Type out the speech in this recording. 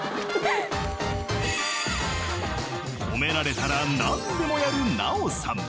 ［褒められたら何でもやる奈緒さん］